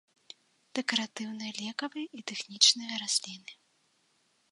Дэкаратыўныя, лекавыя і тэхнічныя расліны.